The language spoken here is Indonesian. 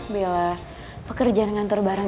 bella pekerjaan ngantar barang